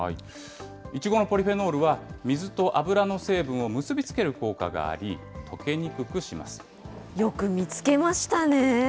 イチゴのポリフェノールは、水と油の成分を結び付ける効果がよく見つけましたね。